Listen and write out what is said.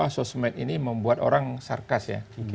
sosmed ini membuat orang sarkas ya